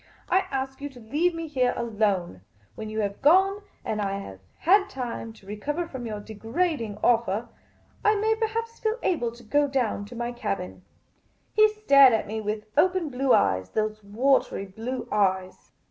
I ask you to leave me here alone. When you have gone, and I have had time to re cover from your degrading offer, I may perhaps feel able to go down to my cabin." He stared at me with open blue eyes — those watery blue eyes.